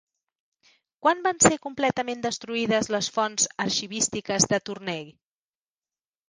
Quan van ser completament destruïdes les fonts arxivístiques de Tournai?